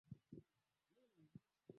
ile ya Uyahudi asilimia moja point tisa